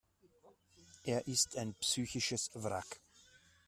Er ist ein psychisches Wrack.